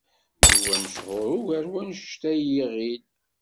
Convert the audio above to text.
Yuba mechuṛ ugar n wanect ay iɣil.